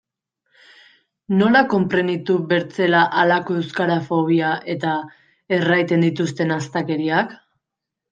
Nola konprenitu bertzela halako euskarafobia eta erraiten dituzten astakeriak?